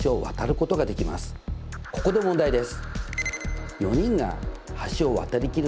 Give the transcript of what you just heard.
ここで問題です。